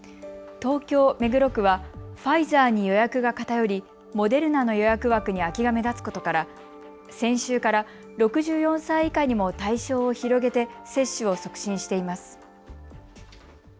東京目黒区はファイザーに予約が偏りモデルナの予約枠に空きが目立つことから先週から６４歳以下にも対象を広げて接種を促進しています。